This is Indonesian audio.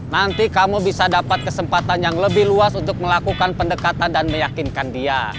nanti kamu bisa dapat kesempatan yang lebih luas untuk melakukan pendekatan dan meyakinkan dia